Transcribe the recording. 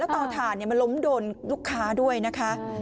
เตาถ่านมันล้มโดนลูกค้าด้วยนะคะ